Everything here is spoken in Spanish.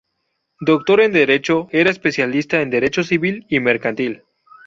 Doctor en Derecho, era especialista en Derecho Civil y Mercantil.